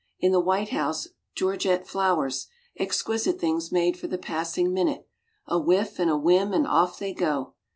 In the White House georgette flowers, exquisite things made for the passing minute, a whiff and a whim and off they go.